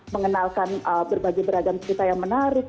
mengenalkan berbagai beragam cerita yang menarik